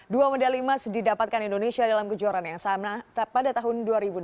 dua medali emas didapatkan indonesia dalam kejuaraan yang sama pada tahun dua ribu delapan belas